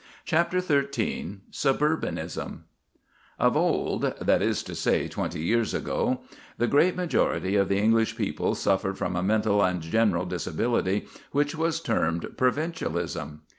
CHAPTER XIII SUBURBANISM Of old that is to say, twenty years ago the great majority of the English people suffered from a mental and general disability which was termed "provincialism."